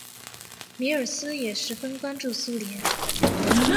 米尔斯也十分关注苏联。